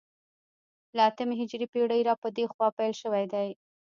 له اتمې هجرې پېړۍ را په دې خوا پیل شوی دی